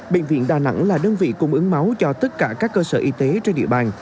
bệnh viện đà nẵng là đơn vị cung ứng máu cho tất cả các cơ sở y tế trên địa bàn